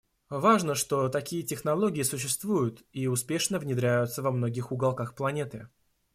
Важно, что такие технологии существуют и успешно внедряются во многих уголках планеты.